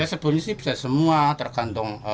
sebenarnya bisa semua tergantung